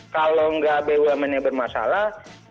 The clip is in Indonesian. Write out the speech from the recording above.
kalau nggak bumn nya bermasalah